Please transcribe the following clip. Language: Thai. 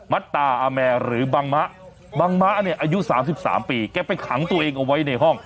ัตตาอาแมร์หรือบังมะบังมะเนี่ยอายุ๓๓ปีแกไปขังตัวเองเอาไว้ในห้อง